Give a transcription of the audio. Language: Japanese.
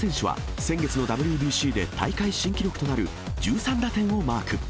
吉田選手は先月のＷＢＣで、大会新記録となる１３打点をマーク。